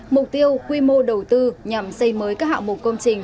mục tiêu quy mô đầu tư nhằm xây mới các hạng mục công trình